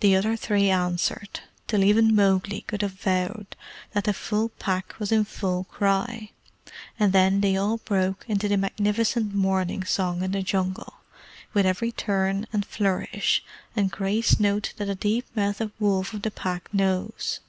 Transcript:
The other three answered, till even Mowgli could have vowed that the full Pack was in full cry, and then they all broke into the magnificent Morning song in the Jungle, with every turn, and flourish, and grace note that a deep mouthed wolf of the Pack knows.